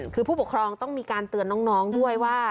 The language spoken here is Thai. คือผู้ปกครองต้องมีการเตือนน้องด้วยว่า